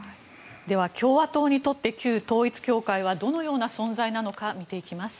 では、共和党にとって旧統一教会はどのような存在なのか見ていきます。